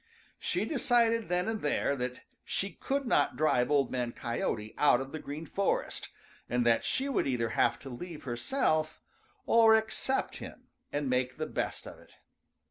She decided then and there that she could not drive Old Man Coyote out of the Green Forest and that she would either have to leave herself or accept him and make the best of it.